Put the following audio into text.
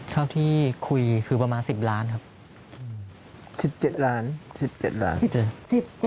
เท่าที่คุยคือประมาณ๑๐ล้านครับ